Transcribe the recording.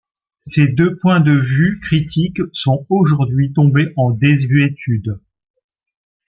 Ces deux points de vue critiques sont aujourd'hui tombés en désuétude.